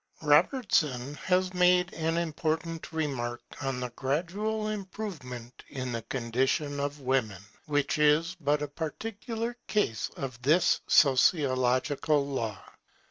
Robertson has made an important remark on the gradual improvement in the condition of women, which is but a particular case of this sociological law.